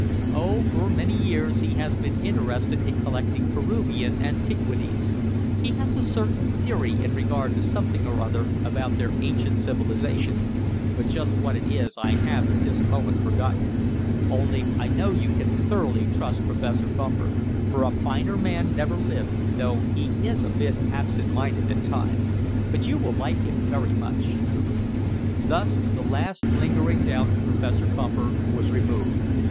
"Oh, for many years he has been interested in collecting Peruvian antiquities. He has a certain theory in regard to something or other about their ancient civilization, but just what it is I have, at this moment, forgotten. Only I know you can thoroughly trust Professor Bumper, for a finer man never lived, though he is a bit absent minded at times. But you will like him very much." Thus the last lingering doubt of Professor Bumper was removed.